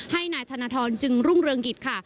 ให้นายธนทรจึงรุ่งเรืองกิจค่ะ